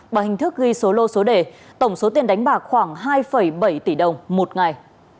bằng hình thức ghi số lô số đề tổng số tiền đánh bạc khoảng hai bảy tỷ đồng một ngày